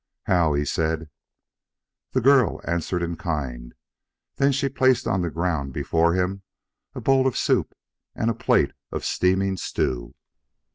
"How," he said. The girl answered in kind. Then she placed on the ground before him a bowl of soup and a plate of steaming stew.